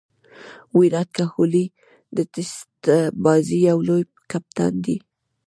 ویرات کهولي د ټېسټ بازي یو لوی کپتان دئ.